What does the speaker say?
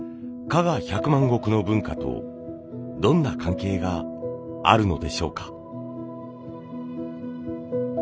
加賀百万石の文化とどんな関係があるのでしょうか。